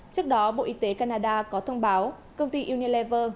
trước đó bộ y tế canada có thông báo công ty unilever